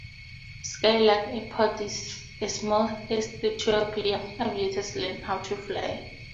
Skylark Airport is a small airstrip to help young aviators learn how to fly.